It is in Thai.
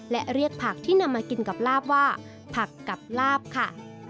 และเรียกผักที่นำมากินกับลาบว่าผักกับลาบค่ะ